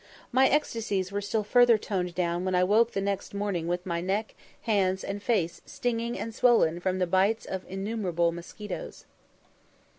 My ecstacies were still further toned down when I woke the next morning with my neck, hands, and face stinging and swollen from the bites of innumerable mosquitoes.